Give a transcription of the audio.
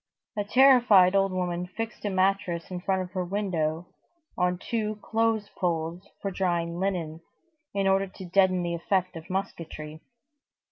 A terrified old woman fixed a mattress in front of her window on two clothes poles for drying linen, in order to deaden the effect of musketry.